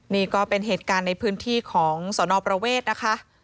นี่ก็เป็นเหตุการณ์ในพื้นที่ของสนประเวทนะคะ